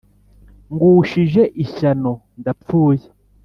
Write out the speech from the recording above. ngushije ishyano Ndapfuye